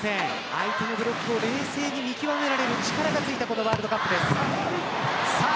相手のスパイクを冷静に見極められる力がついたこのワールドカップです。